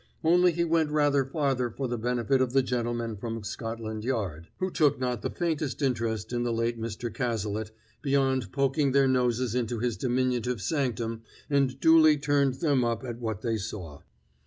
Only he went rather farther for the benefit of the gentlemen from Scotland Yard, who took not the faintest interest in the late Mr. Cazalet, beyond poking their noses into his diminutive sanctum and duly turning them up at what they saw.